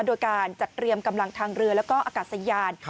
โดยการจัดเตรียมกำลังทางเรือแล้วก็อากาศยาน